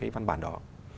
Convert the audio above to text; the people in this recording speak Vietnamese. văn bản đó